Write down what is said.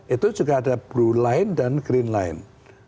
itu juga ada blue line dan green line